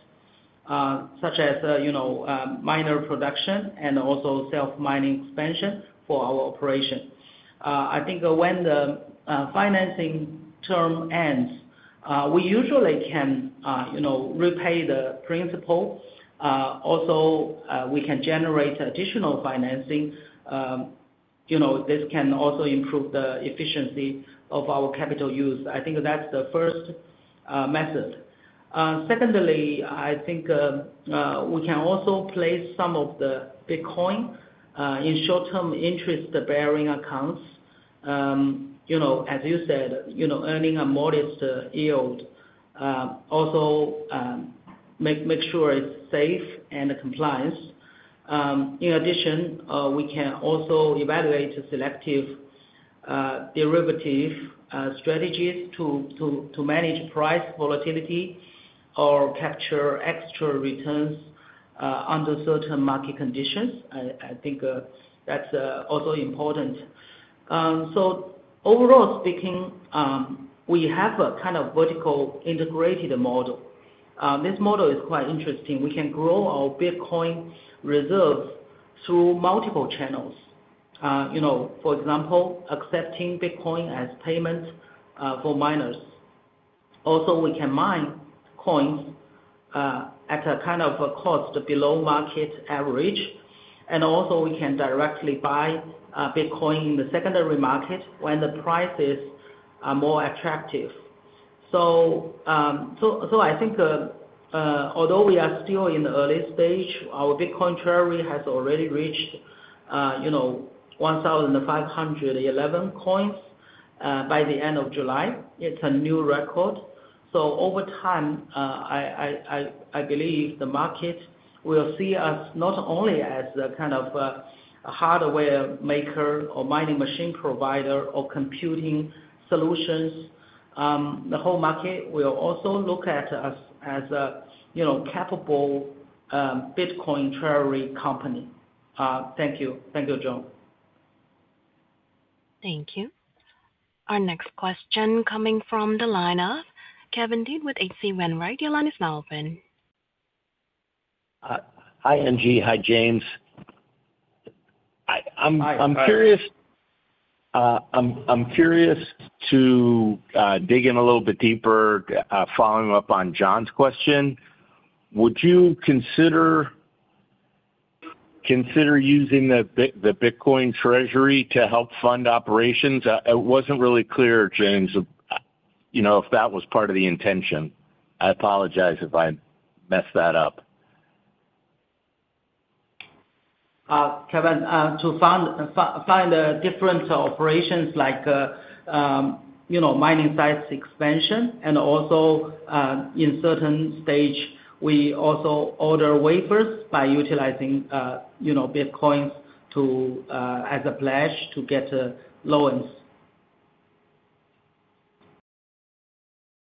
such as, you know, miner production and also self-mining expansion for our operation. I think when the financing term ends, we usually can, you know, repay the principal. Also, we can generate additional financing. You know, this can also improve the efficiency of our capital use. I think that's the first method. Secondly, I think we can also place some of the Bitcoin in short-term interest-bearing accounts. You know, as you said, you know, earning a modest yield. Also, make sure it's safe and compliant. In addition, we can also evaluate selective derivative strategies to manage price volatility or capture extra returns under certain market conditions. I think that's also important. Overall speaking, we have a kind of vertical integrated model. This model is quite interesting. We can grow our Bitcoin reserves through multiple channels. You know, for example, accepting Bitcoin as payment for miners. Also, we can mine coins at a kind of a cost below market average. Also, we can directly buy Bitcoin in the secondary market when the prices are more attractive. I think although we are still in the early stage, our Bitcoin treasury has already reached, you know, 1,511 coins by the end of July. It's a new record. Over time, I believe the market will see us not only as a kind of hardware maker or mining machine provider or computing solutions. The whole market will also look at us as a, you know, capable Bitcoin treasury company. Thank you. Thank you, John. Thank you. Our next question coming from the line of Kevin Dede with H.C. Wainwright. The line is now open. Hi, NG. Hi, James. I'm curious to dig in a little bit deeper, following up on John's question. Would you consider using the Bitcoin treasury to help fund operations? It wasn't really clear, James, if that was part of the intention. I apologize if I messed that up. Kevin, to find different operations like, you know, mining sites expansion and also in certain stages, we also order wafers by utilizing, you know, Bitcoins as a pledge to get loan.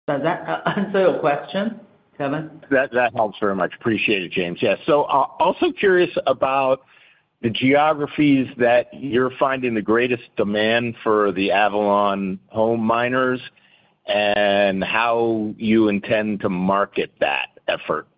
Does that answer your question, Kevin? That helps very much. Appreciate it, James. I'm also curious about the geographies that you're finding the greatest demand for the Avalon Home-Use Miner Series and how you intend to market that effort.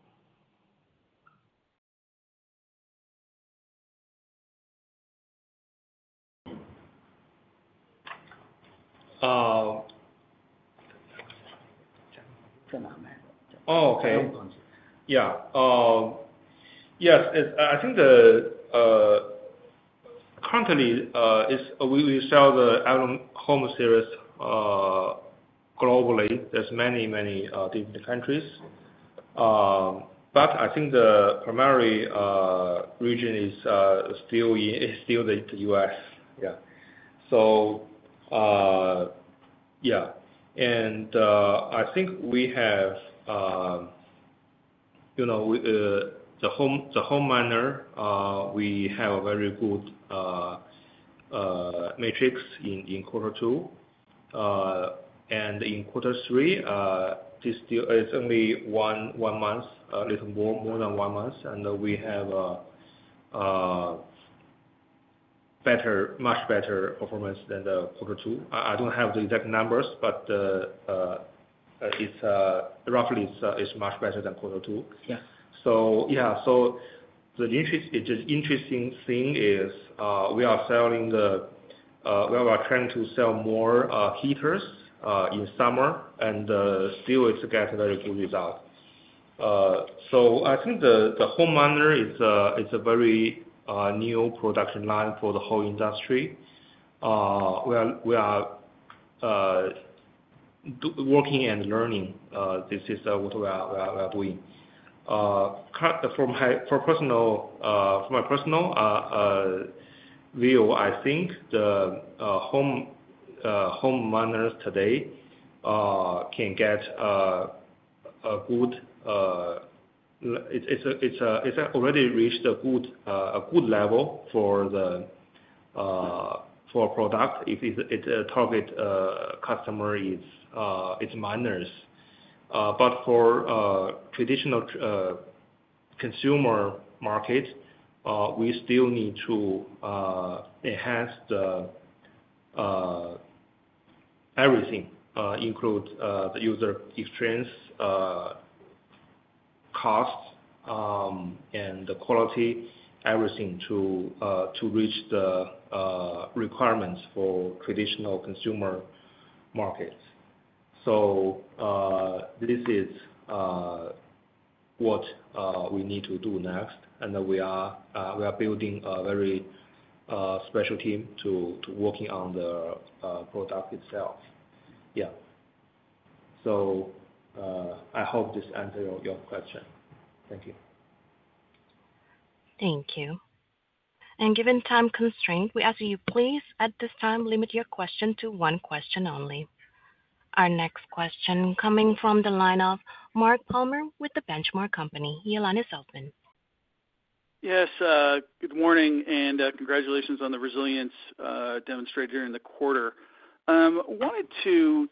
Yes, I think the company is, we sell the Avalon Home-Use Miner Series globally. There's many, many different countries. I think the primary region is still the U.S. I think we have the home miner, we have very good metrics in quarter two. In quarter three, it's only a little more than one month, and we have much better performance than quarter two. I don't have the exact numbers, but it's roughly much better than quarter two. The interesting thing is we are trying to sell more heaters in summer, and still it's getting a very good result. I think the home miner is a very new production line for the whole industry. We are working and learning. This is what we are doing. For my personal view, I think the home miners today can get a good, it's already reached a good level for the product if the target customer is miners. For traditional consumer markets, we still need to enhance everything, including the user experience, cost, and the quality, everything to reach the requirements for traditional consumer markets. This is what we need to do next. We are building a very special team to work on the product itself. I hope this answers your question. Thank you. Thank you. Given time constraints, we ask that you please, at this time, limit your question to one question only. Our next question is coming from the line of Mark Palmer with The Benchmark Company. The line is open. Yes. Good morning, and congratulations on the resilience demonstrated here in the quarter. I wanted to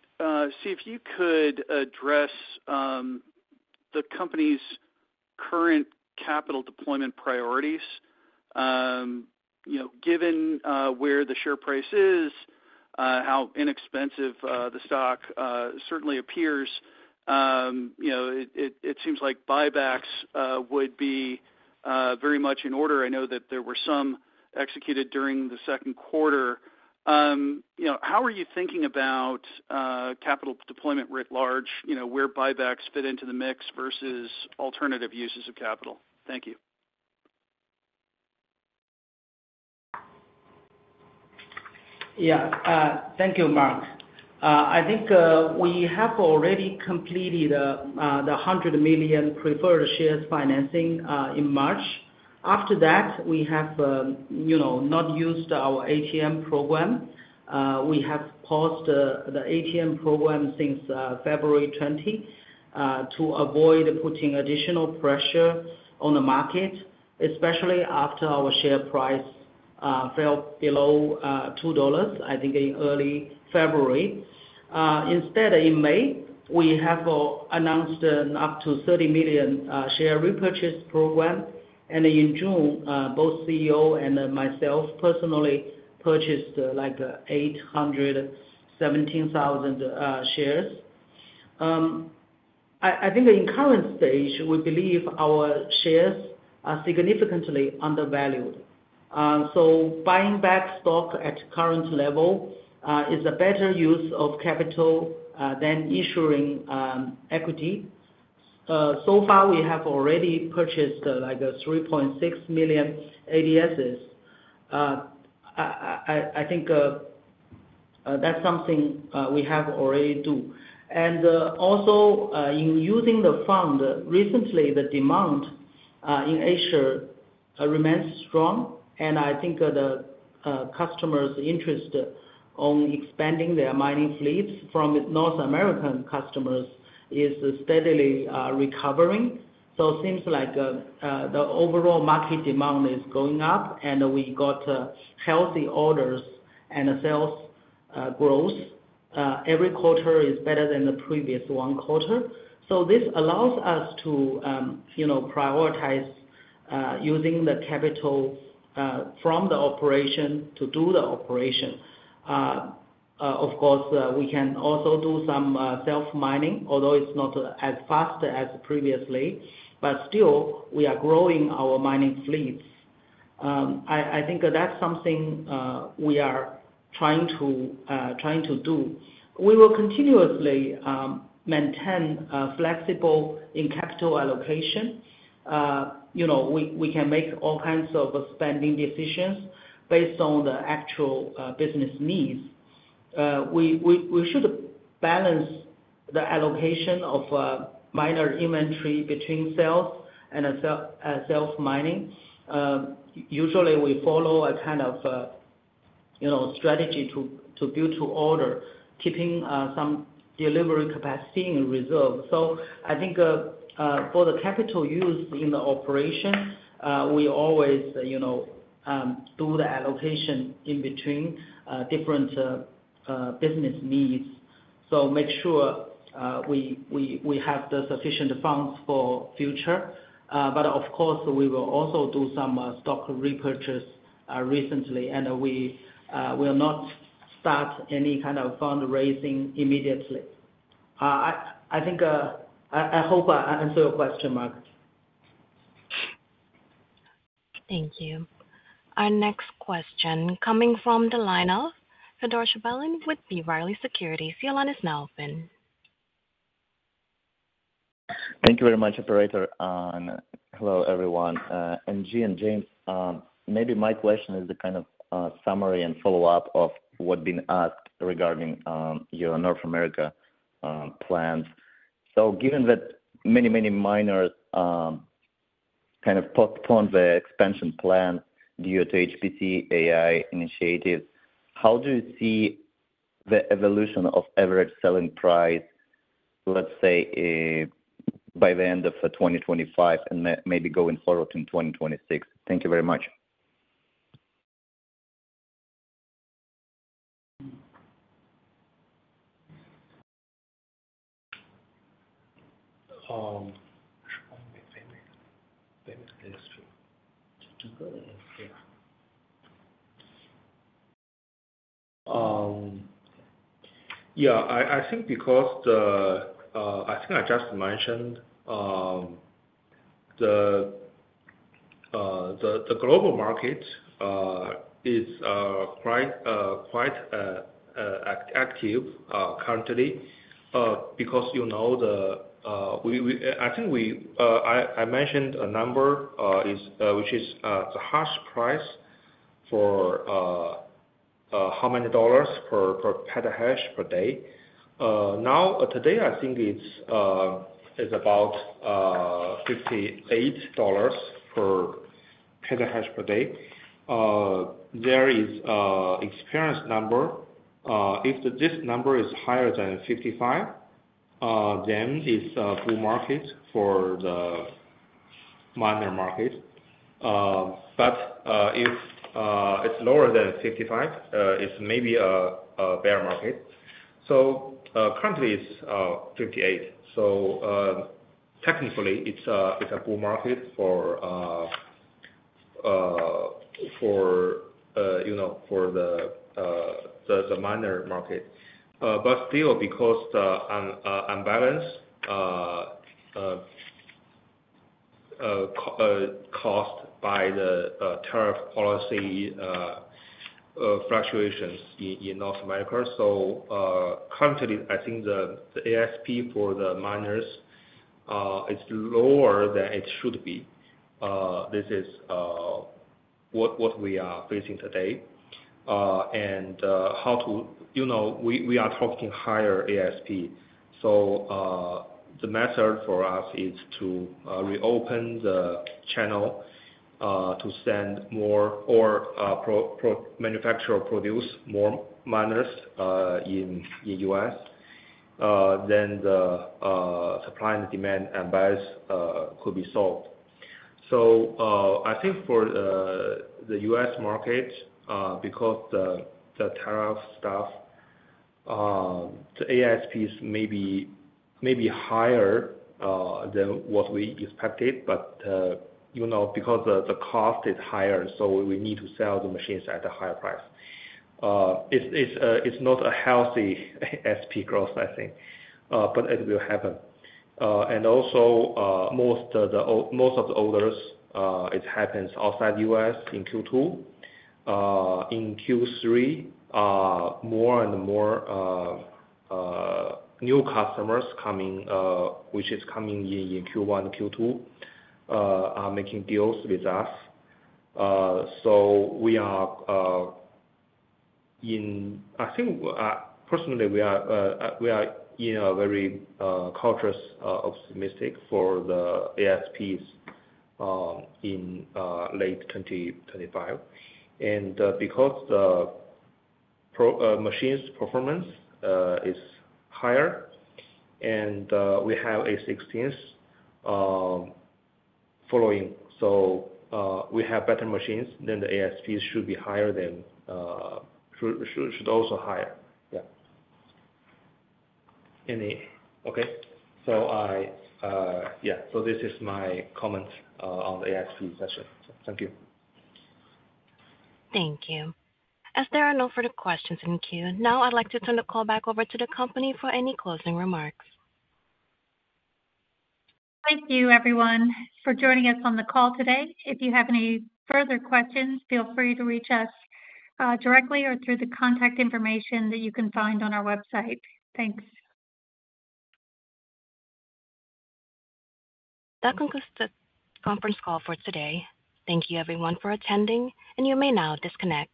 see if you could address the company's current capital deployment priorities. Given where the share price is, how inexpensive the stock certainly appears, it seems like buybacks would be very much in order. I know that there were some executed during the second quarter. How are you thinking about capital deployment writ large, where buybacks fit into the mix versus alternative uses of capital? Thank you. Yeah. Thank you, Mark. I think we have already completed the $100 million preferred shares financing in March. After that, we have not used our ATM program. We have paused the ATM program since February 20 to avoid putting additional pressure on the market, especially after our share price fell below $2, I think, in early February. Instead, in May, we have announced an up to $30 million share repurchase program. In June, both CEO and myself personally purchased like 817,000 shares. I think in the current stage, we believe our shares are significantly undervalued. Buying back stock at the current level is a better use of capital than issuing equity. So far, we have already purchased like 3.6 million ADSs. I think that's something we have already done. Also, in using the fund, recently, the demand in Asia remains strong. I think the customers' interest on expanding their mining fleets from North American customers is steadily recovering. It seems like the overall market demand is going up, and we got healthy orders and sales growth. Every quarter is better than the previous one quarter. This allows us to prioritize using the capital from the operation to do the operation. Of course, we can also do some self-mining, although it's not as fast as previously. Still, we are growing our mining fleets. I think that's something we are trying to do. We will continuously maintain flexibility in capital allocation. We can make all kinds of spending decisions based on the actual business needs. We should balance the allocation of miner inventory between sales and self-mining. Usually, we follow a kind of strategy to build to order, keeping some delivery capacity in reserve. I think for the capital used in the operation, we always do the allocation in between different business needs to make sure we have the sufficient funds for the future. Of course, we will also do some stock repurchase recently, and we. are not starting any kind of fundraising immediately. I think I hope I answered your question, Mark. Thank you. Our next question, coming from the line of, Fedor Shabalin with B. Riley Securities. Your line is now open. Thank you very much, Operator. Hello, everyone. NG and James, maybe my question is the kind of summary and follow-up of what's being asked regarding your North America plans. Given that many, many miners kind of postponed their expansion plan due to HPC AI initiatives, how do you see the evolution of average selling price, let's say, by the end of 2025 and maybe going forward in 2026? Thank you very much. Yeah, I think because I think I just mentioned the global market is quite active currently because, you know, I think I mentioned a number, which is the hash price for how many dollars per petahash per day. Now, today, I think it's about $58 per petahash per day. There is an experienced number. If this number is higher than $55, then it's a bull market for the miner market. If it's lower than $55, it's maybe a bear market. Currently, it's $58. Technically, it's a bull market for the miner market. Still, because the unbalanced cost by the tariff policy fluctuations in North America, currently, I think the ASP for the miners is lower than it should be. This is what we are facing today. We are talking higher ASP. The method for us is to reopen the channel to send more or manufacture or produce more miners in the U.S., then the supply and demand imbalance could be solved. I think for the U.S. market, because the tariff stuff, the ASPs may be higher than what we expected, but, you know, because the cost is higher, we need to sell the machines at a higher price. It's not a healthy ASP growth, I think, but it will happen. Also, most of the orders, it happens outside the U.S. in Q2. In Q3, more and more new customers coming, which is coming in Q1 and Q2, are making deals with us. We are in, I think, personally, we are in a very cautious optimistic for the ASPs in late 2025. Because the machine's performance is higher, and we have a 16th following, so we have better machines, then the ASPs should be higher than should also higher. Yeah. Any? Okay. So, yeah, this is my comment on the ASP session. Thank you. Thank you. If there are no further questions in queue, now I'd like to turn the call back over to the company for any closing remarks. Thank you, everyone, for joining us on the call today. If you have any further questions, feel free to reach us directly or through the contact information that you can find on our website. Thanks. That concludes the conference call for today. Thank you, everyone, for attending, and you may now disconnect.